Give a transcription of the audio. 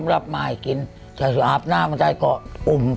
ผมอยากจะหารถสันเร็งสักครั้งนึงคือเอาเอาหมอนหรือที่นอนอ่ะมาลองเขาไม่เจ็บปวดครับ